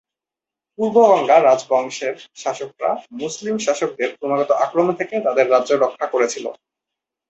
পূর্ব গঙ্গা রাজবংশের শাসকরা মুসলিম শাসকদের ক্রমাগত আক্রমণ থেকে তাদের রাজ্য রক্ষা করেছিল।